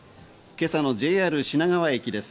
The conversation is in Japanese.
今朝のＪＲ品川駅です。